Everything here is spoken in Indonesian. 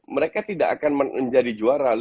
mereka tidak akan menjadi juara